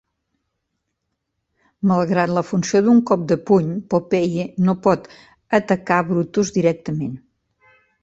Malgrat la funció d'un cop de puny, Popeye no pot atacar Brutus directament.